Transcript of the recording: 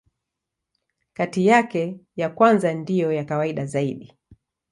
Kati yake, ya kwanza ndiyo ya kawaida zaidi.